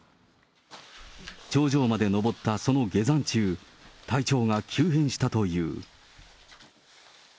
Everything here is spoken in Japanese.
頂上まで登ったその下山中、体調が急変したという。